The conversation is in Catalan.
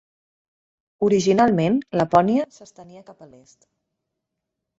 Originalment, Lapònia s'estenia cap a l'est.